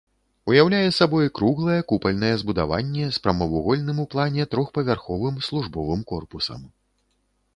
Уяўляе сабой круглае купальнае збудаванне з прамавугольным у плане трохпавярховым службовым корпусам.